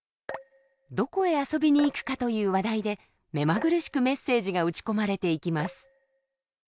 どこへ遊びに行くかという話題で目まぐるしくメッセージが打ち込まれていきます。